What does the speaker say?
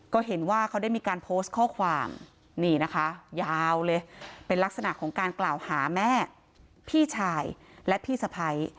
ก็เห็นว่าเขาได้มีการโพสต์ข้อความนี่นะคะยาวเลยเป็นลักษณะของการกล่าวหาแม่พี่ชายและพี่สะพ้าย